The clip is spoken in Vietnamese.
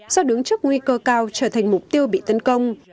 do đứng trước nguy cơ cao trở thành mục tiêu bị tấn công